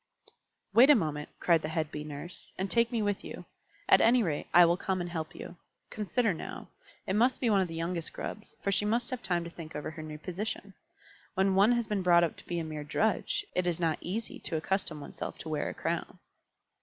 "Wait a moment," cried the head Bee Nurse, "and take me with you. At any rate, I will come and help you. Consider now. It must be one of the youngest Grubs, for she must have time to think over her new position. When one has been brought up to be a mere drudge, it is not easy to accustom oneself to wear a crown."